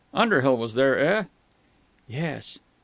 Underhill was there, eh?" "Yes."